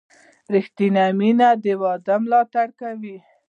ریښتینې مینه د ودې ملاتړ کوي.